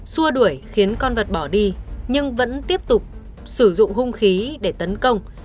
xua đuổi khiến con vật bỏ đi nhưng vẫn tiếp tục sử dụng hung khí để tấn công